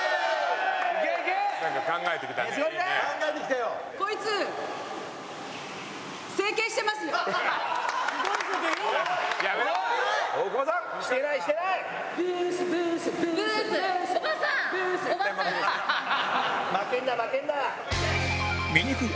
負けんな負けんな！